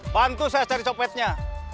bantu saya cari copetnya